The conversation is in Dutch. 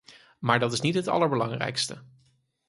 Maar dat is niet het allerbelangrijkste.